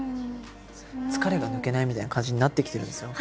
疲れが抜けないみたいな感じになってきてるんですよ。